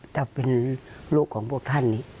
ถ้าเป็นลูกของพวกท่าน